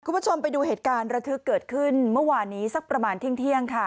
คุณผู้ชมไปดูเหตุการณ์ระทึกเกิดขึ้นเมื่อวานนี้สักประมาณเที่ยงค่ะ